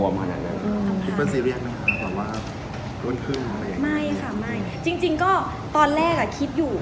ไม่นะคะที่ก็ตอนแรกคิดอยู่